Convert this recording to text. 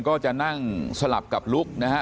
ก็จะนั่งสลับกับลุคนะฮะ